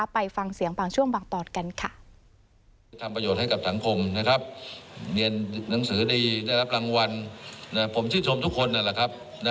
ไปฟังเสียงบางช่วงบางตอนกันค่ะ